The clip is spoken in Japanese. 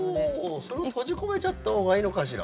それを閉じ込めちゃったほうがいいのかしら。